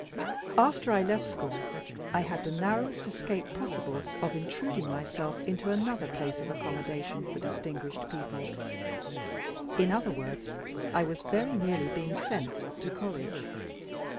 After I left school, I had the narrowest escape possible of intruding myself into another place of accommodation for distinguished people; in other words, I was very nearly being sent to college.